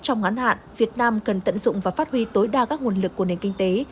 trong ngắn hạn việt nam cần tận dụng và phát huy tối đa các nguồn lực của nền kinh tế